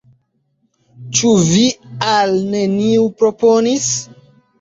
Ĉu vi al neniu proponis?